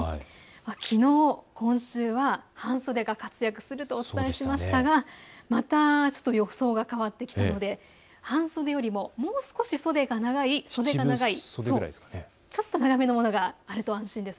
きのう、今週は半袖が活躍するとお伝えしましたがまた、予想が変わってきたので半袖よりも、もう少し袖が長いものがあると安心です。